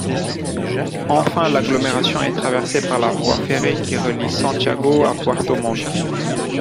Enfin l'agglomération est traversée par la voie ferrée qui relie Santiago à Puerto Montt.